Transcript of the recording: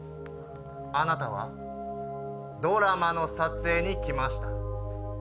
あなたはドラマの撮影に来ました。